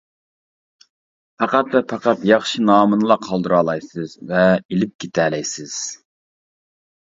پەقەت ۋە پەقەت ياخشى نامنىلا قالدۇرالايسىز ۋە ئېلىپ كېتەلەيسىز.